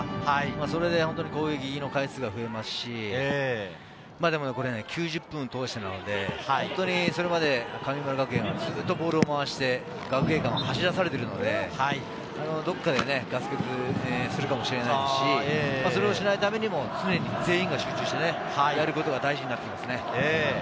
それで本当に攻撃の回数が増えますし、でも９０分を通してなので、本当にそれまで、神村学園はずっと回して、学芸館は走らされているので、どこかでガス欠するかもしれませんし、それをしないためにも全員が集中してやることが大事になります。